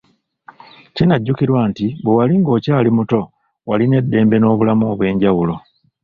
Kinajjukirwa nti ,bwe wali ng'okyali muto walina eddembe n'obulamu obwenjawulo.